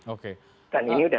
oke dan ini sudah